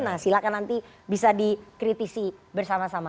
nah silahkan nanti bisa dikritisi bersama sama